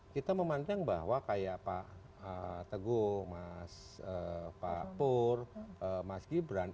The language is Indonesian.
kita memandang bahwa kayak pak teguh mas pak pur mas gibran